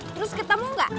terus ketemu gak